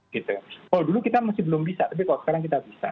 kalau dulu kita masih belum bisa tapi kalau sekarang kita bisa